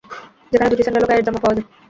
সেখানে দুটি স্যান্ডেল ও গায়ের জামা পাওয়া যায়।